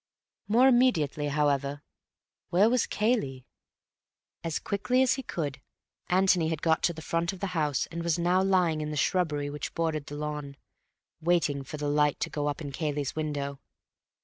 More immediately, however, where was Cayley? As quickly as he could Antony had got to the front of the house and was now lying in the shrubbery which bordered the lawn, waiting for the light to go up in Cayley's window.